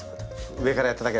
上からやっただけ。